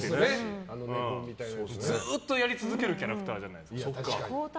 ずっとやり続けるキャラクターじゃないですか。